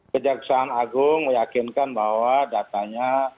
kejaksaan agung meyakinkan bahwa datanya